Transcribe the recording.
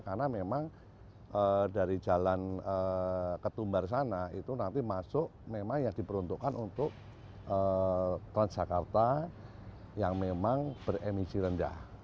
karena memang dari jalan ke tumbar sana itu nanti masuk memang yang diperuntukkan untuk transjakarta yang memang beremisi rendah